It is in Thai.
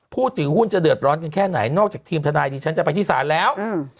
ผู้ถือหุ้นจะเดือดร้อนกันแค่ไหนนอกจากทีมทนายดิฉันจะไปที่ศาลแล้ว